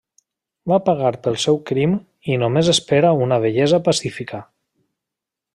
Va pagar pel seu crim i només espera una vellesa pacífica.